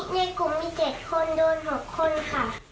ในกลุ่มมี๗คนโดน๖คนค่ะ